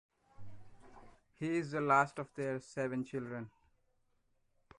He is the last of their seven children.